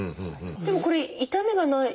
でもこれ痛みがないんですか？